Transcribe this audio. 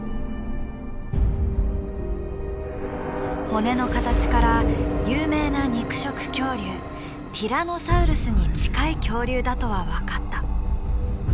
骨の形から有名な肉食恐竜ティラノサウルスに近い恐竜だとは分かった。